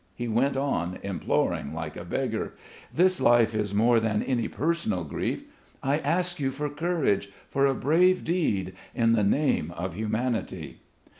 He went on imploring like a beggar. "This life is more than any personal grief. I ask you for courage, for a brave deed in the name of humanity."